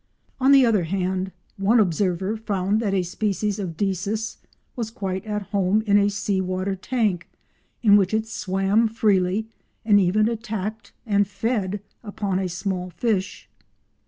On the other hand one observer found that a species of Desis was quite at home in a sea water tank, in which it swam freely and even attacked and fed upon a small fish.